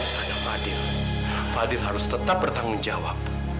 karena fadil fadil harus tetap bertanggung jawab